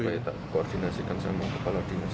nanti coba ya koordinasikan sama kepala dinas